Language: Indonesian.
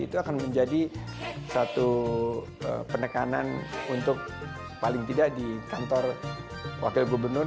itu akan menjadi satu penekanan untuk paling tidak di kantor wakil gubernur